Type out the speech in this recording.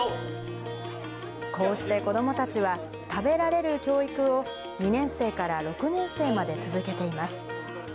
こうして子どもたちは、食べられる教育を、２年生から６年生まで続けています。